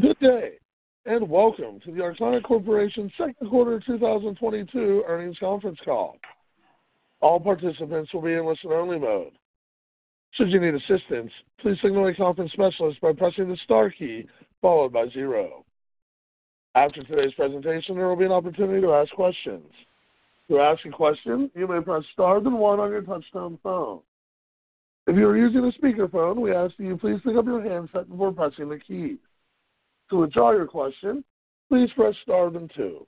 Good day, and welcome to the Arconic Corporation second quarter 2022 earnings conference call. All participants will be in listen-only mode. Should you need assistance, please signal a conference specialist by pressing the star key followed by zero. After today's presentation, there will be an opportunity to ask questions. To ask a question, you may press star then one on your touchtone phone. If you are using a speakerphone, we ask that you please pick up your handset before pressing the key. To withdraw your question, please press star then two.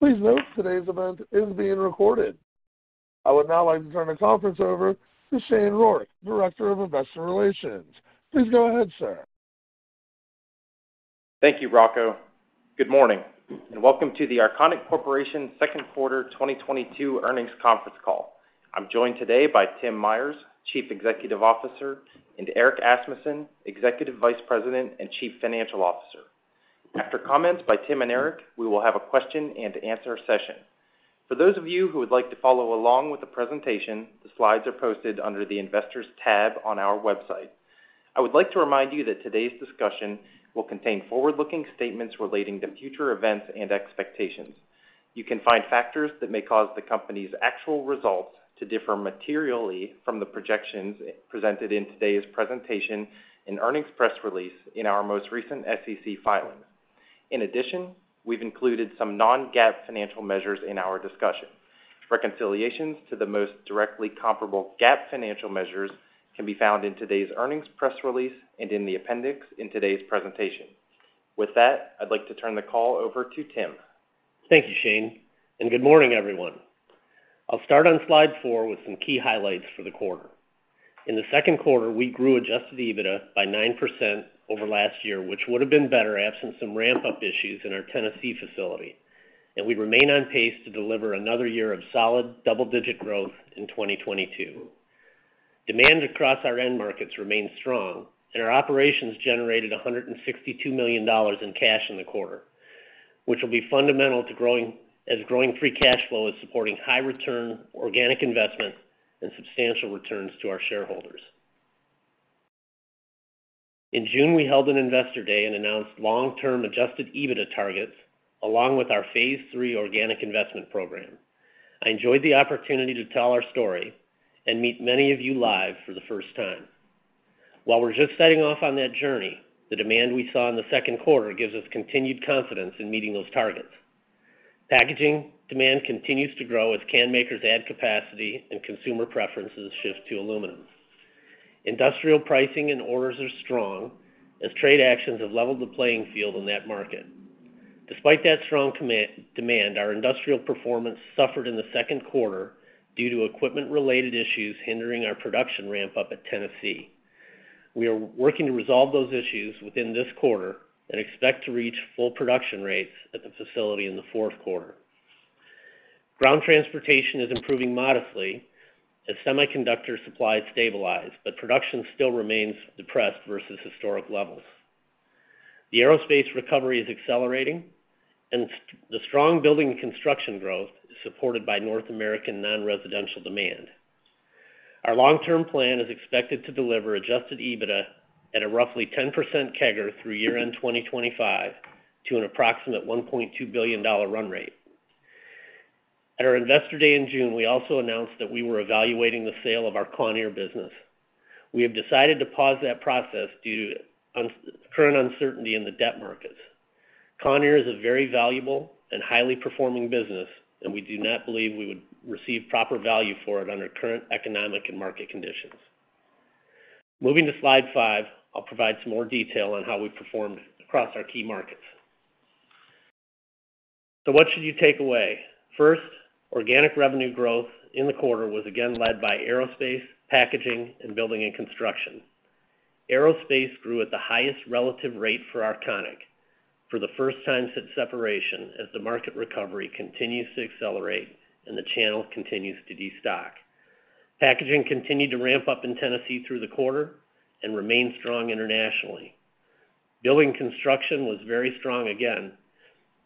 Please note today's event is being recorded. I would now like to turn the conference over to Shane Rourke, Director of Investor Relations. Please go ahead, sir. Thank you, Rocco. Good morning, and welcome to the Arconic Corporation second quarter 2022 earnings conference call. I'm joined today by Tim Myers, Chief Executive Officer, and Erick Asmussen, Executive Vice President and Chief Financial Officer. After comments by Tim and Erick, we will have a question and answer session. For those of you who would like to follow along with the presentation, the slides are posted under the Investors tab on our website. I would like to remind you that today's discussion will contain forward-looking statements relating to future events and expectations. You can find factors that may cause the company's actual results to differ materially from the projections presented in today's presentation and earnings press release in our most recent SEC filing. In addition, we've included some non-GAAP financial measures in our discussion. Reconciliations to the most directly comparable GAAP financial measures can be found in today's earnings press release and in the appendix in today's presentation. With that, I'd like to turn the call over to Tim. Thank you, Shane, and good morning, everyone. I'll start on slide four with some key highlights for the quarter. In the second quarter, we grew adjusted EBITDA by 9% over last year, which would have been better absent some ramp-up issues in our Tennessee facility, and we remain on pace to deliver another year of solid double-digit growth in 2022. Demand across our end markets remains strong and our operations generated $162 million in cash in the quarter, which will be fundamental to growing free cash flow, as growing free cash flow is supporting high return, organic investment, and substantial returns to our shareholders. In June, we held an Investor Day and announced long-term adjusted EBITDA targets along with our phase III organic investment program. I enjoyed the opportunity to tell our story and meet many of you live for the first time. While we're just setting off on that journey, the demand we saw in the second quarter gives us continued confidence in meeting those targets. Packaging demand continues to grow as can makers add capacity and consumer preferences shift to aluminum. Industrial pricing and orders are strong as trade actions have leveled the playing field in that market. Despite that strong demand, our industrial performance suffered in the second quarter due to equipment-related issues hindering our production ramp-up at Tennessee. We are working to resolve those issues within this quarter and expect to reach full production rates at the facility in the fourth quarter. Ground transportation is improving modestly as semiconductor supplies stabilize, but production still remains depressed versus historic levels. The aerospace recovery is accelerating and the strong building and construction growth is supported by North American non-residential demand. Our long-term plan is expected to deliver adjusted EBITDA at a roughly 10% CAGR through year-end 2025 to an approximate $1.2 billion run rate. At our Investor Day in June, we also announced that we were evaluating the sale of our Kawneer business. We have decided to pause that process due to current uncertainty in the debt markets. Kawneer is a very valuable and highly performing business, and we do not believe we would receive proper value for it under current economic and market conditions. Moving to slide five, I'll provide some more detail on how we performed across our key markets. What should you take away? First, organic revenue growth in the quarter was again led by aerospace, packaging, and building and construction. Aerospace grew at the highest relative rate for Arconic for the first time since separation as the market recovery continues to accelerate and the channel continues to destock. Packaging continued to ramp up in Tennessee through the quarter and remain strong internationally. Building construction was very strong again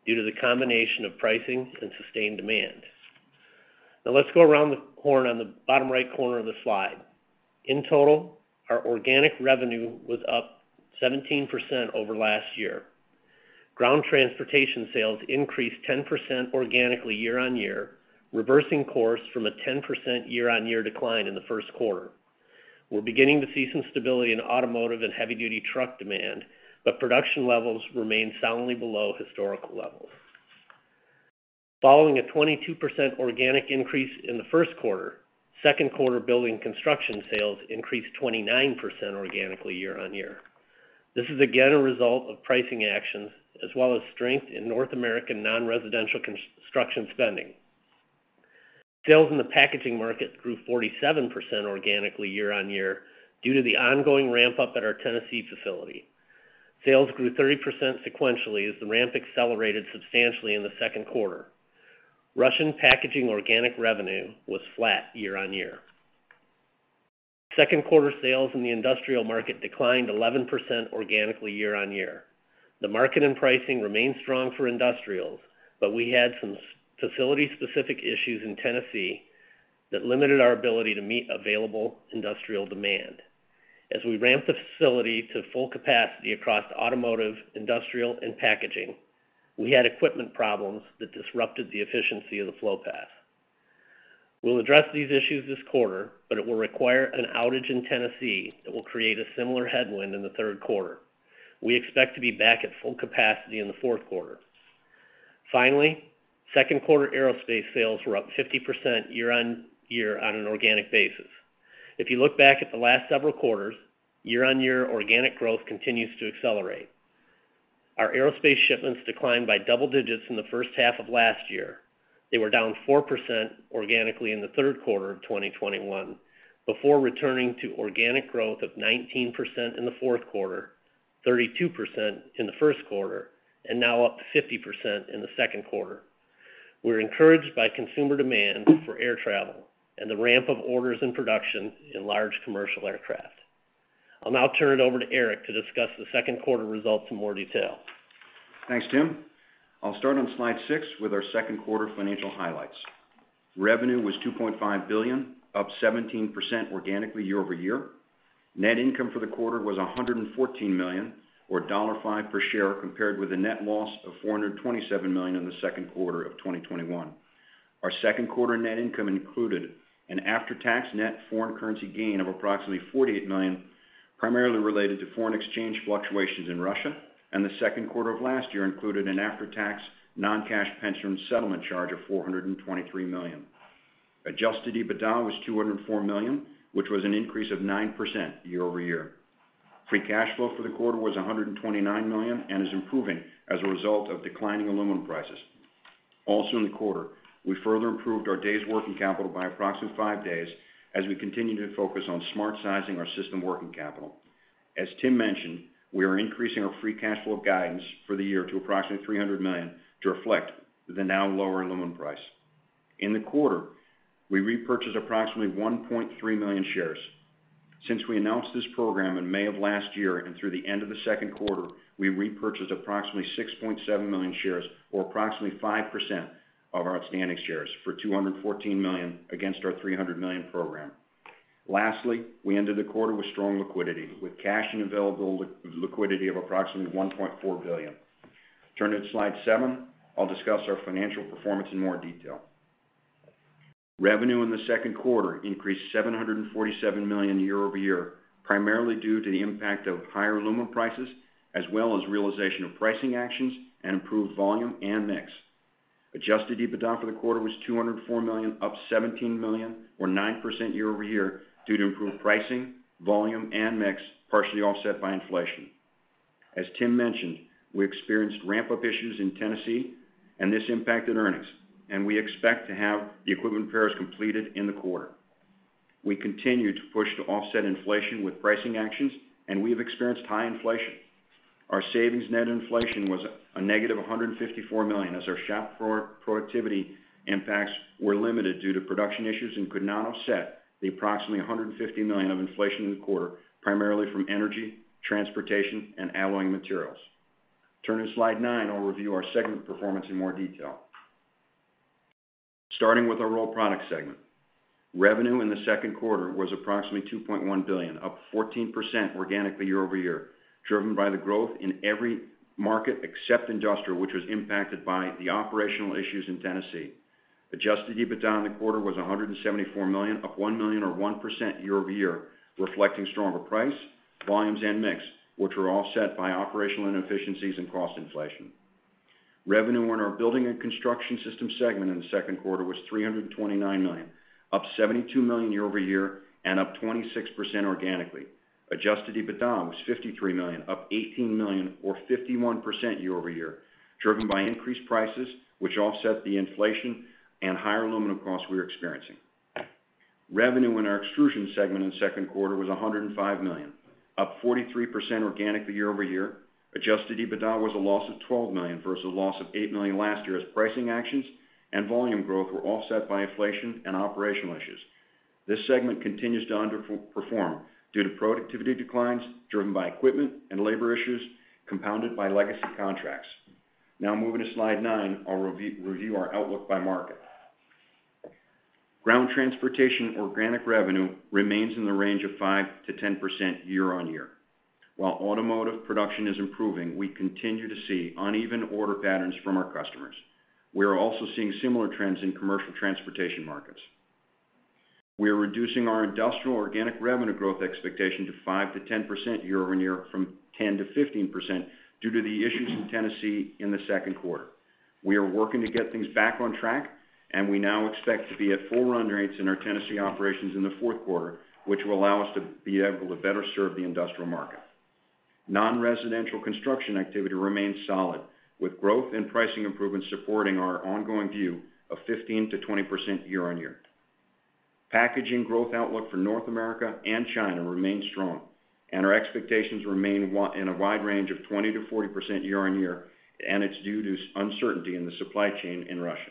due to the combination of pricing and sustained demand. Now let's go around the corner on the bottom right corner of the slide. In total, our organic revenue was up 17% over last year. Ground transportation sales increased 10% organically year-on-year, reversing course from a 10% year-on-year decline in the first quarter. We're beginning to see some stability in automotive and heavy-duty truck demand, but production levels remain soundly below historical levels. Following a 22% organic increase in the first quarter, second quarter building construction sales increased 29% organically year-on-year. This is again a result of pricing actions as well as strength in North American non-residential construction spending. Sales in the packaging market grew 47% organically year on year due to the ongoing ramp-up at our Tennessee facility. Sales grew 30% sequentially as the ramp accelerated substantially in the second quarter. Russian packaging organic revenue was flat year on year. Second quarter sales in the industrial market declined 11% organically year on year. The market and pricing remained strong for industrials, but we had some facility-specific issues in Tennessee that limited our ability to meet available industrial demand. As we ramped the facility to full capacity across automotive, industrial, and packaging, we had equipment problems that disrupted the efficiency of the flow path. We'll address these issues this quarter, but it will require an outage in Tennessee that will create a similar headwind in the third quarter. We expect to be back at full capacity in the fourth quarter. Finally, second quarter aerospace sales were up 50% year on year on an organic basis. If you look back at the last several quarters, year on year organic growth continues to accelerate. Our aerospace shipments declined by double-digits in the first half of last year. They were down 4% organically in the third quarter of 2021 before returning to organic growth of 19% in the fourth quarter, 32% in the first quarter, and now up to 50% in the second quarter. We're encouraged by consumer demand for air travel and the ramp of orders and production in large commercial aircraft. I'll now turn it over to Erick to discuss the second quarter results in more detail. Thanks, Tim. I'll start on slide six with our second quarter financial highlights. Revenue was $2.5 billion, up 17% organically year-over-year. Net income for the quarter was $114 million, or $5 per share, compared with a net loss of $427 million in the second quarter of 2021. Our second quarter net income included an after-tax net foreign currency gain of approximately $48 million, primarily related to foreign exchange fluctuations in Russia, and the second quarter of last year included an after-tax non-cash pension settlement charge of $423 million. Adjusted EBITDA was $204 million, which was an increase of 9% year-over-year. Free cash flow for the quarter was $129 million and is improving as a result of declining aluminum prices. Also in the quarter, we further improved our days working capital by approximately 5 days as we continue to focus on smart sizing our system working capital. As Tim mentioned, we are increasing our free cash flow guidance for the year to approximately $300 million to reflect the now lower aluminum price. In the quarter, we repurchased approximately 1.3 million shares. Since we announced this program in May of last year and through the end of the second quarter, we repurchased approximately 6.7 million shares or approximately 5% of our outstanding shares for $214 million against our $300 million program. Lastly, we ended the quarter with strong liquidity, with cash and available liquidity of approximately $1.4 billion. Turning to slide seven, I'll discuss our financial performance in more detail. Revenue in the second quarter increased $747 million year-over-year, primarily due to the impact of higher aluminum prices as well as realization of pricing actions and improved volume and mix. Adjusted EBITDA for the quarter was $204 million, up $17 million or 9% year-over-year due to improved pricing, volume, and mix, partially offset by inflation. As Tim mentioned, we experienced ramp-up issues in Tennessee and this impacted earnings, and we expect to have the equipment repairs completed in the quarter. We continue to push to offset inflation with pricing actions, and we have experienced high inflation. Our savings net inflation was -$154 million as our shop floor productivity impacts were limited due to production issues and could not offset the approximately $150 million of inflation in the quarter, primarily from energy, transportation, and alloying materials. Turning to slide nine, I'll review our segment performance in more detail. Starting with our Rolled Products segment. Revenue in the second quarter was approximately $2.1 billion, up 14% organically year-over-year, driven by the growth in every market except industrial, which was impacted by the operational issues in Tennessee. Adjusted EBITDA in the quarter was $174 million, up $1 million or 1% year-over-year, reflecting stronger price, volumes, and mix, which were offset by operational inefficiencies and cost inflation. Revenue in our Building and Construction Systems segment in the second quarter was $329 million, up $72 million year-over-year and up 26% organically. Adjusted EBITDA was $53 million, up $18 million or 51% year-over-year, driven by increased prices which offset the inflation and higher aluminum costs we are experiencing. Revenue in our Extrusions segment in the second quarter was $105 million, up 43% organically year-over-year. Adjusted EBITDA was a loss of $12 million versus a loss of $8 million last year as pricing actions and volume growth were offset by inflation and operational issues. This segment continues to underperform due to productivity declines driven by equipment and labor issues compounded by legacy contracts. Now moving to slide nine, I'll review our outlook by market. Ground transportation organic revenue remains in the range of 5%-10% year on year. While automotive production is improving, we continue to see uneven order patterns from our customers. We are also seeing similar trends in commercial transportation markets. We are reducing our industrial organic revenue growth expectation to 5%-10% year on year from 10%-15% due to the issues in Tennessee in the second quarter. We are working to get things back on track, and we now expect to be at full run rates in our Tennessee operations in the fourth quarter, which will allow us to be able to better serve the industrial market. Non-residential construction activity remains solid, with growth and pricing improvements supporting our ongoing view of 15%-20% year on year. Packaging growth outlook for North America and China remains strong, and our expectations remain in a wide range of 20%-40% year on year, and it's due to uncertainty in the supply chain in Russia.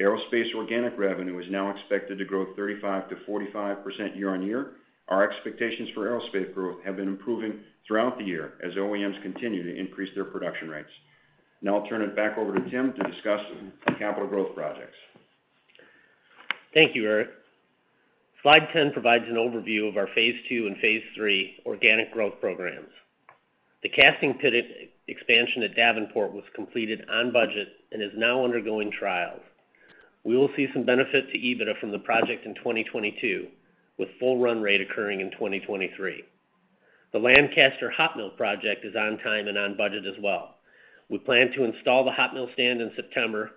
Aerospace organic revenue is now expected to grow 35%-45% year on year. Our expectations for aerospace growth have been improving throughout the year as OEMs continue to increase their production rates. Now I'll turn it back over to Tim to discuss capital growth projects. Thank you, Erick. Slide 10 provides an overview of our phase I and phase III organic growth programs. The casting pit expansion at Davenport was completed on budget and is now undergoing trials. We will see some benefit to EBITDA from the project in 2022, with full run rate occurring in 2023. The Lancaster hot mill project is on time and on budget as well. We plan to install the hot mill stand in September,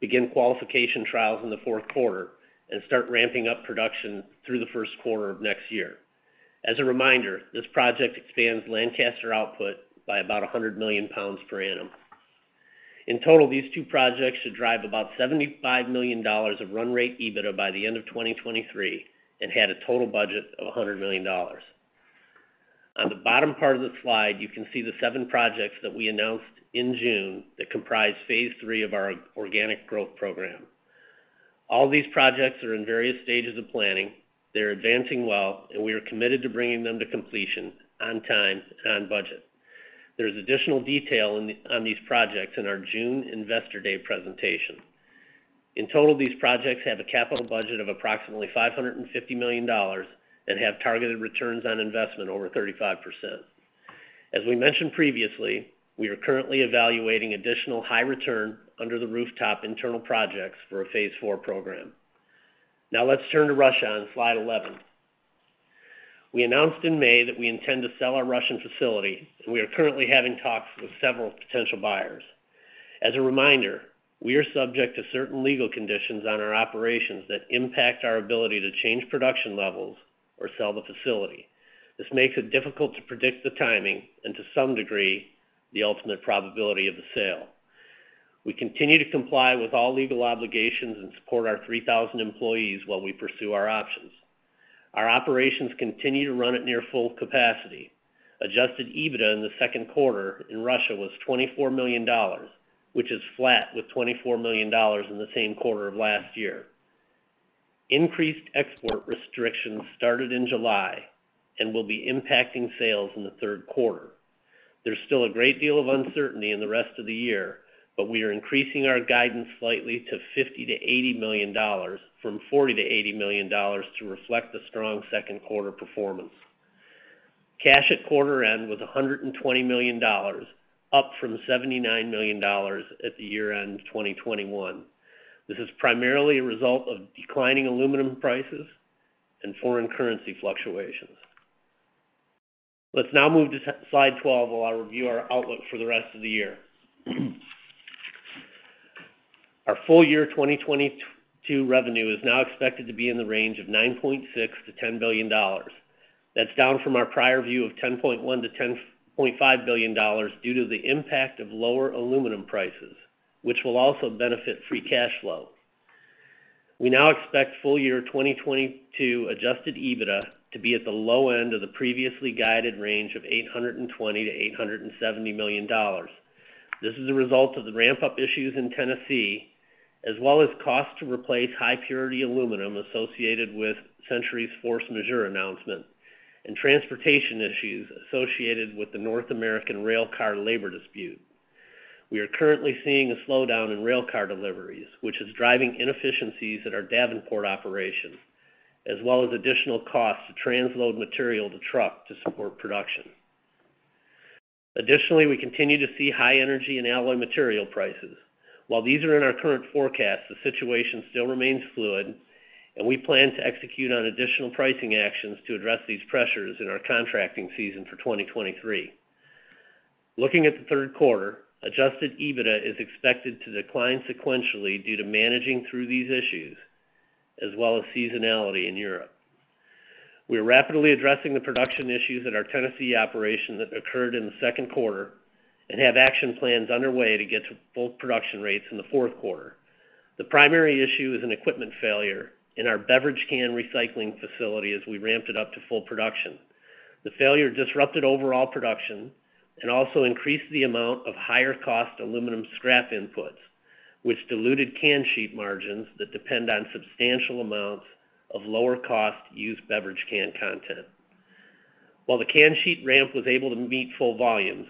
begin qualification trials in the fourth quarter, and start ramping up production through the first quarter of next year. As a reminder, this project expands Lancaster output by about 100 million pounds per annum. In total, these two projects should drive about $75 million of run rate EBITDA by the end of 2023 and had a total budget of $100 million. On the bottom part of the slide, you can see the seven projects that we announced in June that comprise phase III of our organic growth program. All these projects are in various stages of planning. They're advancing well, and we are committed to bringing them to completion on time and on budget. There's additional detail on these projects in our June Investor Day presentation. In total, these projects have a capital budget of approximately $550 million and have targeted returns on investment over 35%. As we mentioned previously, we are currently evaluating additional high return under-the-rooftop internal projects for a phase IV program. Now let's turn to Russia on slide 11. We announced in May that we intend to sell our Russian facility, and we are currently having talks with several potential buyers. As a reminder, we are subject to certain legal conditions on our operations that impact our ability to change production levels or sell the facility. This makes it difficult to predict the timing and, to some degree, the ultimate probability of the sale. We continue to comply with all legal obligations and support our 3,000 employees while we pursue our options. Our operations continue to run at near full capacity. Adjusted EBITDA in the second quarter in Russia was $24 million, which is flat with $24 million in the same quarter of last year. Increased export restrictions started in July and will be impacting sales in the third quarter. There's still a great deal of uncertainty in the rest of the year, but we are increasing our guidance slightly to $50 million-$80 million from $40 million-$80 million to reflect the strong second quarter performance. Cash at quarter end was $120 million, up from $79 million at the year-end of 2021. This is primarily a result of declining aluminum prices and foreign currency fluctuations. Let's now move to slide 12, where I'll review our outlook for the rest of the year. Our full year 2022 revenue is now expected to be in the range of $9.6 billion-$10 billion. That's down from our prior view of $10.1 billion-$10.5 billion due to the impact of lower aluminum prices, which will also benefit free cash flow. We now expect full year 2022 adjusted EBITDA to be at the low end of the previously guided range of $820 million-$870 million. This is a result of the ramp-up issues in Tennessee, as well as costs to replace high-purity aluminum associated with Century Aluminum's force majeure announcement and transportation issues associated with the North American railcar labor dispute. We are currently seeing a slowdown in railcar deliveries, which is driving inefficiencies at our Davenport operation, as well as additional costs to transload material to truck to support production. Additionally, we continue to see high energy in alloy material prices. While these are in our current forecast, the situation still remains fluid, and we plan to execute on additional pricing actions to address these pressures in our contracting season for 2023. Looking at the third quarter, adjusted EBITDA is expected to decline sequentially due to managing through these issues as well as seasonality in Europe. We are rapidly addressing the production issues at our Tennessee operation that occurred in the second quarter and have action plans underway to get to both production rates in the fourth quarter. The primary issue is an equipment failure in our beverage can recycling facility as we ramped it up to full production. The failure disrupted overall production and also increased the amount of higher-cost aluminum scrap inputs, which diluted can sheet margins that depend on substantial amounts of lower-cost used beverage can content. While the can sheet ramp was able to meet full volumes,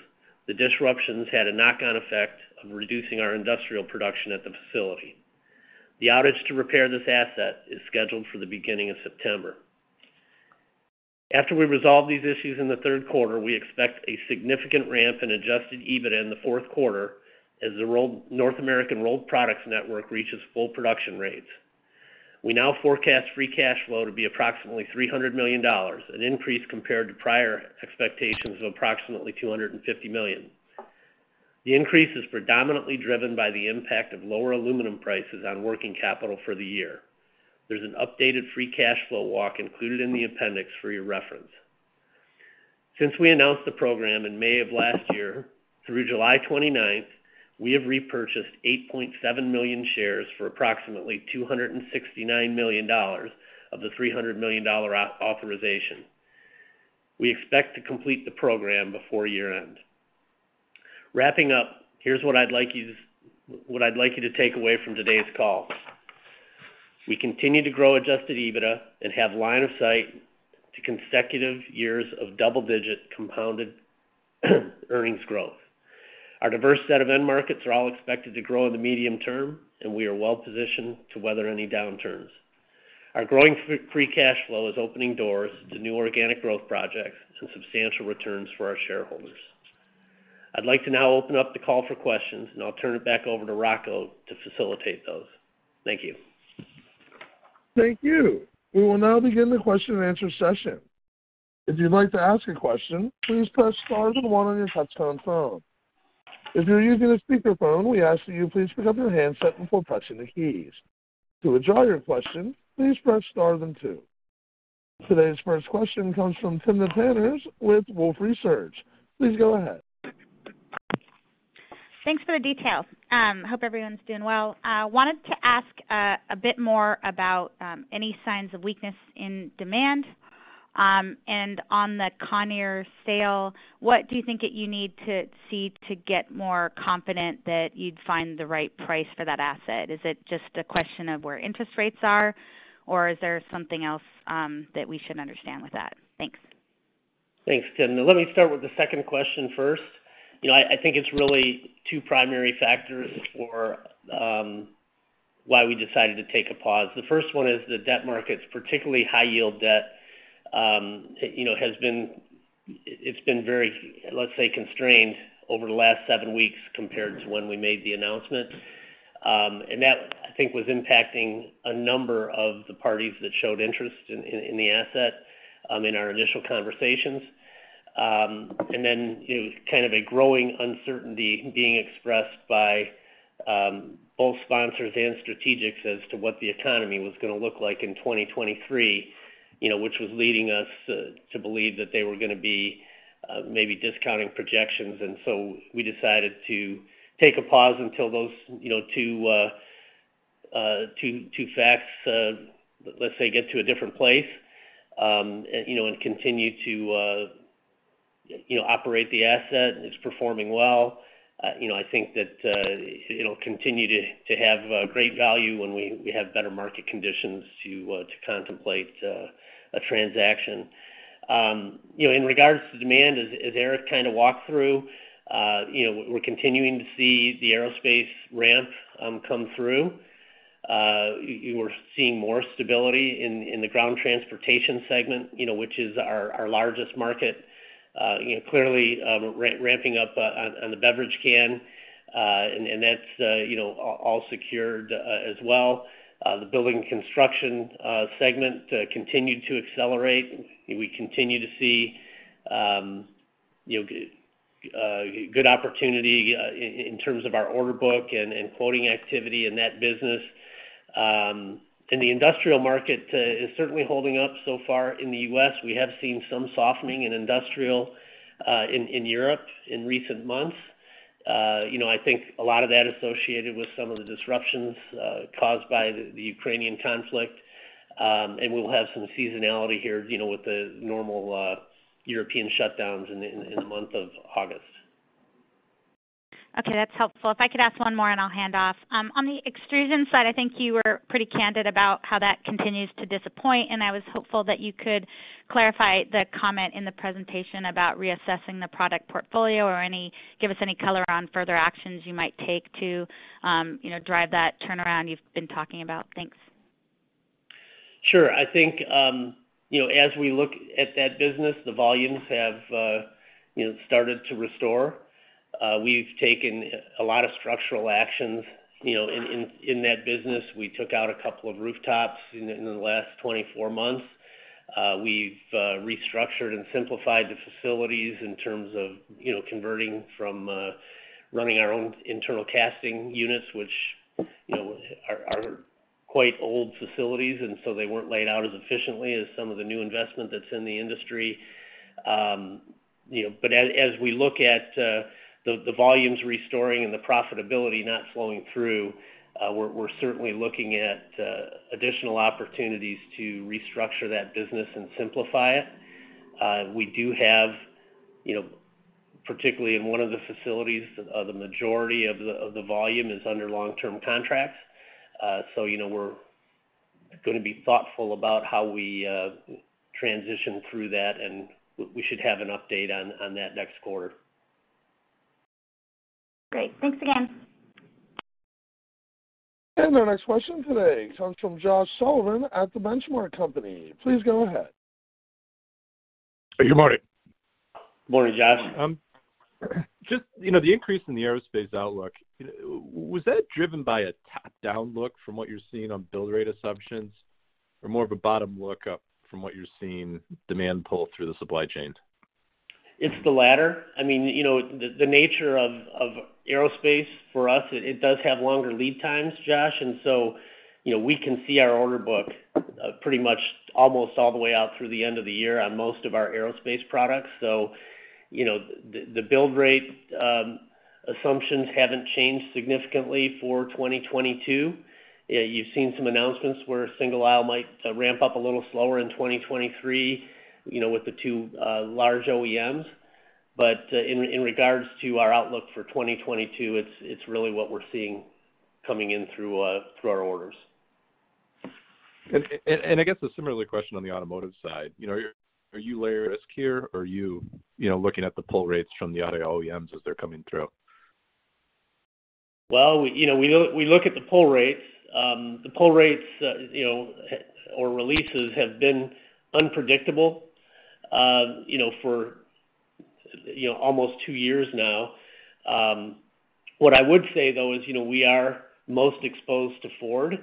the disruptions had a knock-on effect of reducing our industrial production at the facility. The outage to repair this asset is scheduled for the beginning of September. After we resolve these issues in the third quarter, we expect a significant ramp in Adjusted EBITDA in the fourth quarter as the North American Rolled Products network reaches full production rates. We now forecast free cash flow to be approximately $300 million, an increase compared to prior expectations of approximately $250 million. The increase is predominantly driven by the impact of lower aluminum prices on working capital for the year. There's an updated free cash flow walk included in the appendix for your reference. Since we announced the program in May of last year, through July 29th, we have repurchased 8.7 million shares for approximately $269 million of the $300 million authorization. We expect to complete the program before year-end. Wrapping up, here's what I'd like you to take away from today's call. We continue to grow adjusted EBITDA and have line of sight to consecutive years of double-digit compounded earnings growth. Our diverse set of end markets are all expected to grow in the medium-term, and we are well positioned to weather any downturns. Our growing free cash flow is opening doors to new organic growth projects and substantial returns for our shareholders. I'd like to now open up the call for questions, and I'll turn it back over to Rocco to facilitate those. Thank you. Thank you. We will now begin the question-and-answer session. If you'd like to ask a question, please press star then one on your touchtone phone. If you're using a speakerphone, we ask that you please pick up your handset before pressing the keys. To withdraw your question, please press star then two. Today's first question comes from Timna Tanners with Wolfe Research. Please go ahead. Thanks for the details. Hope everyone's doing well. I wanted to ask a bit more about any signs of weakness in demand, and on the Kawneer sale, what do you think that you need to see to get more confident that you'd find the right price for that asset? Is it just a question of where interest rates are, or is there something else that we should understand with that? Thanks. Thanks, Timna. Let me start with the second question first. You know, I think it's really two primary factors for why we decided to take a pause. The first one is the debt markets, particularly high-yield debt, you know, has been very, let's say, constrained over the last seven weeks compared to when we made the announcement. That, I think, was impacting a number of the parties that showed interest in the asset in our initial conversations. You know, kind of a growing uncertainty being expressed by both sponsors and strategics as to what the economy was gonna look like in 2023, you know, which was leading us to believe that they were gonna be maybe discounting projections. We decided to take a pause until those, you know, two facts, let's say, get to a different place. You know, continue to operate the asset. It's performing well. You know, I think that it'll continue to have great value when we have better market conditions to contemplate a transaction. You know, in regards to demand, as Erick kinda walked through, you know, we're continuing to see the aerospace ramp come through. You are seeing more stability in the ground transportation segment, you know, which is our largest market. You know, clearly ramping up on the beverage can, and that's you know, all secured as well. The Building and Construction Systems continued to accelerate. We continue to see, you know, good opportunity in terms of our order book and quoting activity in that business. The industrial market is certainly holding up so far in the U.S. We have seen some softening in industrial in Europe in recent months. You know, I think a lot of that associated with some of the disruptions caused by the Ukrainian conflict. We'll have some seasonality here, you know, with the normal European shutdowns in the month of August. Okay, that's helpful. If I could ask one more, and I'll hand off. On the Extrusions side, I think you were pretty candid about how that continues to disappoint, and I was hopeful that you could clarify the comment in the presentation about reassessing the product portfolio or give us any color on further actions you might take to, you know, drive that turnaround you've been talking about. Thanks. Sure. I think, you know, as we look at that business, the volumes have, you know, started to restore. We've taken a lot of structural actions, you know, in that business. We took out a couple of rooftops in the last 24 months. We've restructured and simplified the facilities in terms of, you know, converting from running our own internal casting units, which, you know, are quite old facilities, and so they weren't laid out as efficiently as some of the new investment that's in the industry. You know, as we look at the volumes restoring and the profitability not flowing through, we're certainly looking at additional opportunities to restructure that business and simplify it. We do have, you know, particularly in one of the facilities, the majority of the volume is under long-term contracts. You know, we're gonna be thoughtful about how we transition through that, and we should have an update on that next quarter. Great. Thanks again. Our next question today comes from Josh Sullivan at The Benchmark Company. Please go ahead. Good morning. Morning, Josh. Just, you know, the increase in the aerospace outlook, you know, was that driven by a top-down look from what you're seeing on build rate assumptions or more of a bottom-up look from what you're seeing demand pull through the supply chains? It's the latter. I mean, you know, the nature of aerospace for us. It does have longer lead times, Josh. You know, we can see our order book pretty much almost all the way out through the end of the year on most of our aerospace products. You know, the build rate assumptions haven't changed significantly for 2022. You've seen some announcements where single-aisle might ramp up a little slower in 2023, you know, with the two large OEMs. In regards to our outlook for 2022, it's really what we're seeing coming in through our orders. I guess a similar question on the automotive side. You know, are you layering risk here or are you know, looking at the pull rates from the auto OEMs as they're coming through? Well, you know, we look at the pull rates. The pull rates or releases have been unpredictable, you know, for you know almost two years now. What I would say though is, you know, we are most exposed to Ford.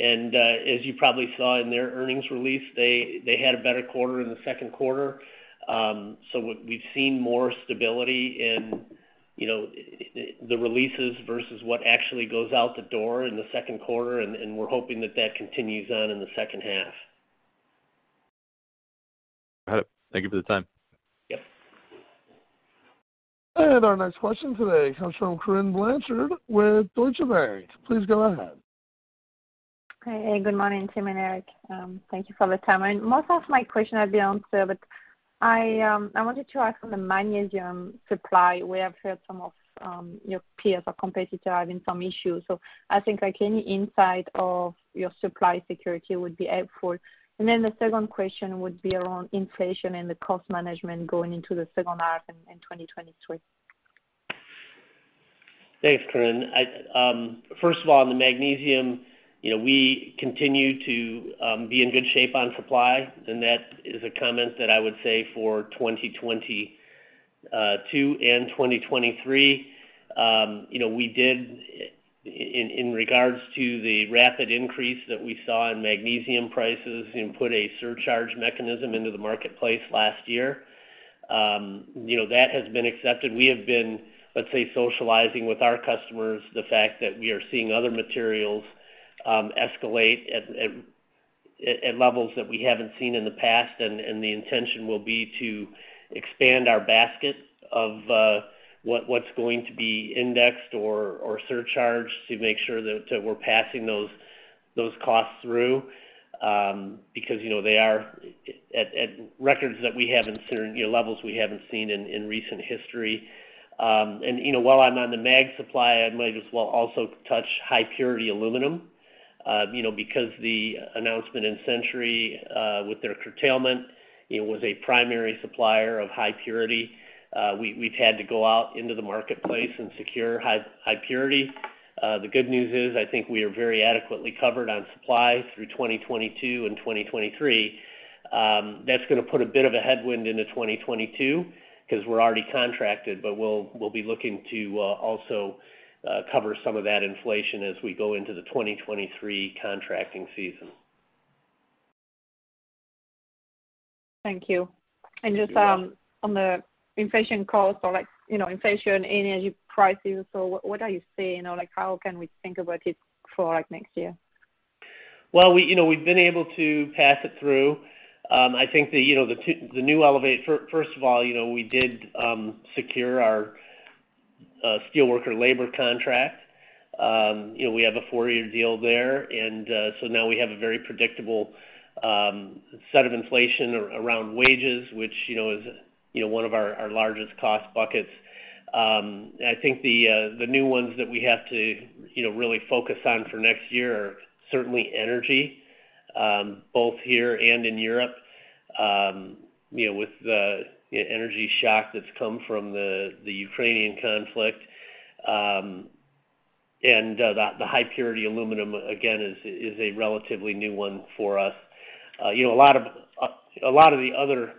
As you probably saw in their earnings release, they had a better quarter in the second quarter. What we've seen more stability in, you know, the releases versus what actually goes out the door in the second quarter, and we're hoping that that continues on in the second half. Thank you for the time. Yes. Our next question today comes from Corinne Blanchard with Deutsche Bank. Please go ahead. Hey, good morning, Tim and Erick. Thank you for the time. Most of my question have been answered, but I wanted to ask on the magnesium supply, where I've heard some of your peers or competitors are having some issues. I think like any insight of your supply security would be helpful. Then the second question would be around inflation and the cost management going into the second half in 2023. Thanks, Corinne. First of all, on the magnesium, you know, we continue to be in good shape on supply, and that is a comment that I would say for 2022 and 2023. You know, we did in regards to the rapid increase that we saw in magnesium prices and put a surcharge mechanism into the marketplace last year. You know, that has been accepted. We have been, let's say, socializing with our customers the fact that we are seeing other materials escalate at levels that we haven't seen in the past, and the intention will be to expand our basket of what's going to be indexed or surcharged to make sure that we're passing those costs through. Because, you know, they are at records that we haven't seen or levels we haven't seen in recent history. You know, while I'm on the magnesium supply, I might as well also touch high-purity aluminum. Because the announcement from Century Aluminum with their curtailment, it was a primary supplier of high purity. We've had to go out into the marketplace and secure high purity. The good news is, I think we are very adequately covered on supply through 2022 and 2023. That's gonna put a bit of a headwind into 2022 'cause we're already contracted, but we'll be looking to also cover some of that inflation as we go into the 2023 contracting season. Thank you. Thank you. Just on the inflation costs or like, you know, inflation in energy prices. What are you seeing or like, how can we think about it for like next year? Well, we, you know, we've been able to pass it through. I think that, you know, first of all, you know, we did secure our steelworker labor contract. You know, we have a four-year deal there, and so now we have a very predictable set of inflation around wages, which, you know, is one of our largest cost buckets. I think the new ones that we have to, you know, really focus on for next year are certainly energy, both here and in Europe, you know, with the energy shock that's come from the Ukrainian conflict. The high-purity aluminum, again, is a relatively new one for us. You know, a lot of the other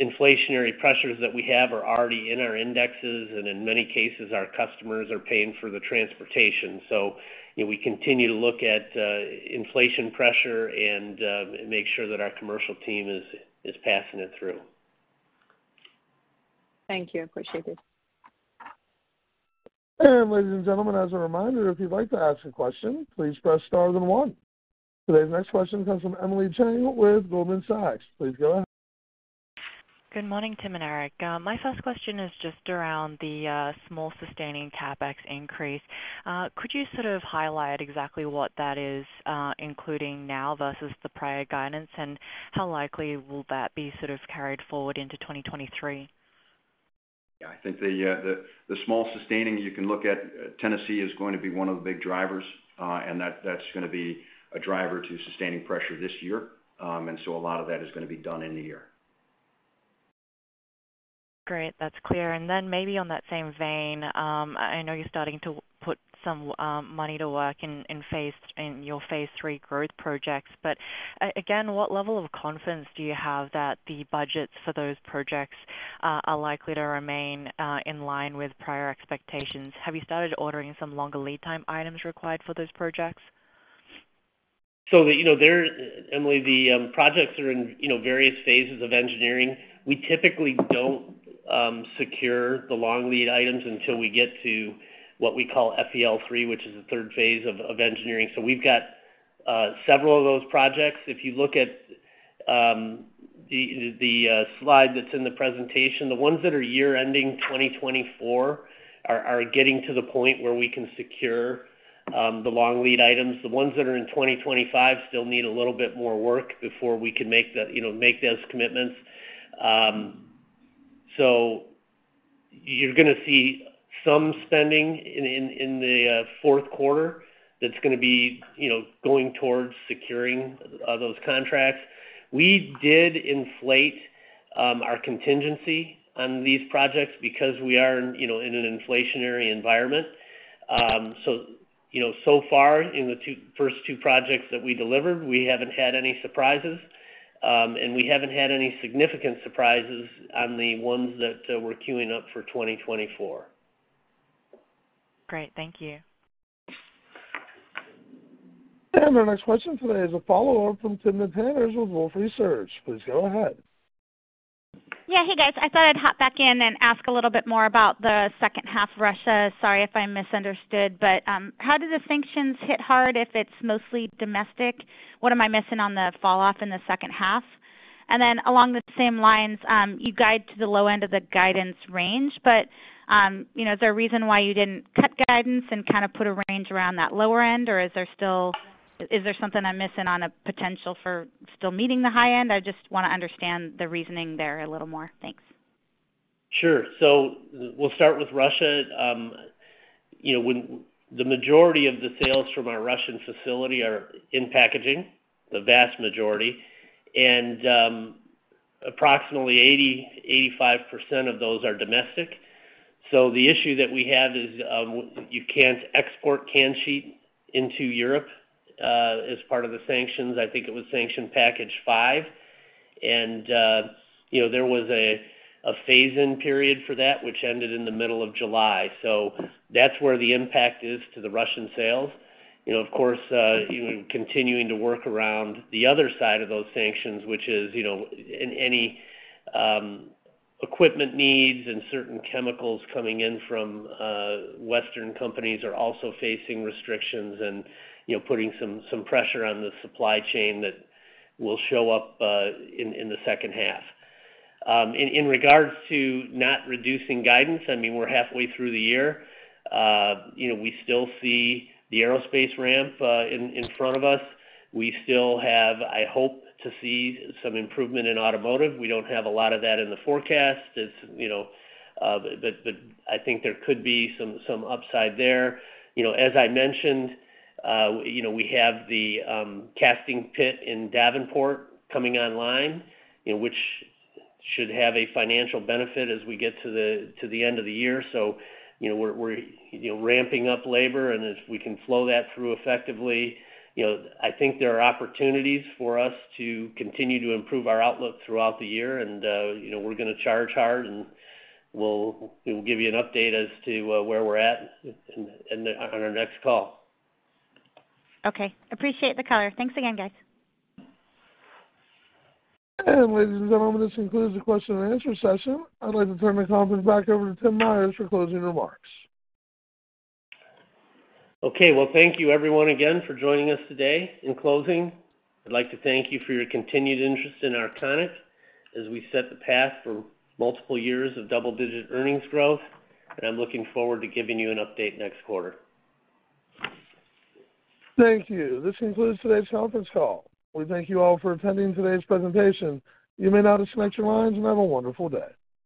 inflationary pressures that we have are already in our indexes, and in many cases, our customers are paying for the transportation. You know, we continue to look at inflation pressure and make sure that our commercial team is passing it through. Thank you. Appreciate it. Ladies and gentlemen, as a reminder, if you'd like to ask a question, please press star then one. Today's next question comes from Emily Chang with Goldman Sachs. Please go ahead. Good morning, Tim and Erick. My first question is just around the small sustaining CapEx increase. Could you sort of highlight exactly what that is, including now versus the prior guidance, and how likely will that be sort of carried forward into 2023? Yeah. I think the small sustaining you can look at, Tennessee, is going to be one of the big drivers, and that's gonna be a driver to sustaining pressure this year. A lot of that is gonna be done in a year. Great. That's clear. Maybe on that same vein, I know you're starting to put some money to work in your phase III growth projects. Again, what level of confidence do you have that the budgets for those projects are likely to remain in line with prior expectations? Have you started ordering some longer lead time items required for those projects? You know, there, Emily, the projects are in you know, various phases of engineering. We typically don't secure the long lead items until we get to what we call FEL3, which is the third phase of engineering. We've got several of those projects. If you look at the slide that's in the presentation, the ones that are year ending 2024 are getting to the point where we can secure the long lead items. The ones that are in 2025 still need a little bit more work before we can make those commitments. You're gonna see some spending in the fourth quarter that's gonna be you know, going towards securing those contracts. We did inflate our contingency on these projects because we are, you know, in an inflationary environment. You know, so far in the first two projects that we delivered, we haven't had any surprises. We haven't had any significant surprises on the ones that we're queuing up for 2024. Great. Thank you. Our next question today is a follow-up from Timna Tanners with Wolfe Research. Please go ahead. Yeah. Hey, guys. I thought I'd hop back in and ask a little bit more about the second half Russia. Sorry if I misunderstood, but how do the sanctions hit hard if it's mostly domestic? What am I missing on the fall off in the second half? Along the same lines, you guide to the low end of the guidance range, but you know, is there a reason why you didn't cut guidance and kind of put a range around that lower end? Is there still something I'm missing on a potential for still meeting the high end? I just wanna understand the reasoning there a little more. Thanks. Sure. We'll start with Russia. You know, when the majority of the sales from our Russian facility are in packaging, the vast majority, and approximately 80%-85% of those are domestic. The issue that we have is you can't export can sheet into Europe as part of the sanctions. I think it was sanction package five. You know, there was a phase-in period for that which ended in the middle of July. That's where the impact is to the Russian sales. You know, of course, continuing to work around the other side of those sanctions, which is, you know, any equipment needs and certain chemicals coming in from Western companies are also facing restrictions and, you know, putting some pressure on the supply chain that will show up in the second half. In regards to not reducing guidance, I mean, we're halfway through the year. You know, we still see the aerospace ramp in front of us. We still have, I hope to see some improvement in automotive. We don't have a lot of that in the forecast. It's you know, but I think there could be some upside there. You know, as I mentioned, you know, we have the casting pit in Davenport coming online, you know, which should have a financial benefit as we get to the end of the year. You know, we're you know, ramping up labor, and if we can flow that through effectively, you know, I think there are opportunities for us to continue to improve our outlook throughout the year. You know, we're gonna charge hard, and we'll give you an update as to where we're at on our next call. Okay. Appreciate the color. Thanks again, guys. Ladies and gentlemen, this concludes the question and answer session. I'd like to turn the conference back over to Tim Myers for closing remarks. Well, thank you everyone again for joining us today. In closing, I'd like to thank you for your continued interest in Arconic as we set the path for multiple years of double-digit earnings growth, and I'm looking forward to giving you an update next quarter. Thank you. This concludes today's conference call. We thank you all for attending today's presentation. You may now disconnect your lines and have a wonderful day.